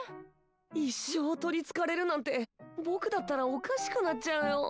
一生取り憑かれるなんてぼくだったらおかしくなっちゃうよォ。